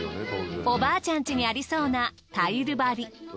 おばあちゃんちにありそうなタイル張り。